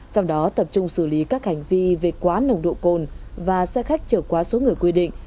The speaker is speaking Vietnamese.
trong đó tập trung xử lý các hành vi về quá nồng độ cồn và xe khách trở quá số người quy định